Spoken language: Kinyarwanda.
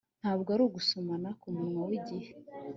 Ntabwo ari ugusomana kumunwa wigihe